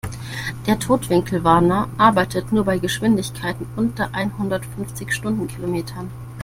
Der Totwinkelwarner arbeitet nur bei Geschwindigkeiten unter einhundertfünfzig Stundenkilometern.